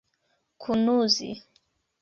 kunuzi